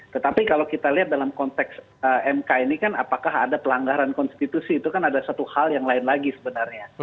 tetapi kalau kita lihat dalam konteks mk ini kan apakah ada pelanggaran konstitusi itu kan ada satu hal yang lain lagi sebenarnya